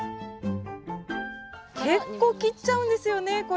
結構切っちゃうんですよねこれ。